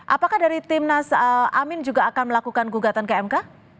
apakah dari timnas amin juga akan melakukan gugatan ke mk